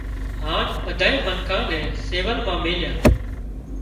هانَ ٻۮانئين منکان نين سول مان ميليان